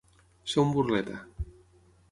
Ser un burleta.